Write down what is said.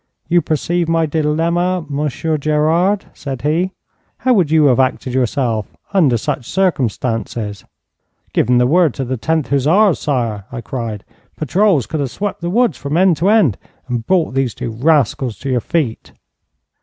'You perceive my dilemma, Monsieur Gerard,' said he. 'How would you have acted yourself, under such circumstances?' 'Given the word to the l0th Hussars, sire,' I cried. 'Patrols could have swept the woods from end to end, and brought these two rascals to your feet.'